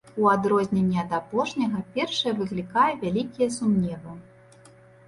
У адрозненне ад апошняга, першае выклікае вялікія сумневы.